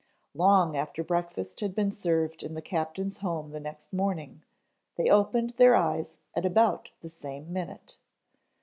Long after breakfast had been served in the Captain's home the next morning they opened their eyes at about the same minute.